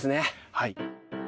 はい。